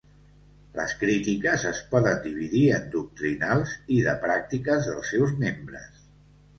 Les crítiques es poden dividir en doctrinals i de pràctiques dels seus membres.